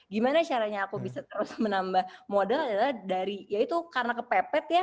gimana caranya aku bisa terus menambah modal adalah dari ya itu karena kepepet ya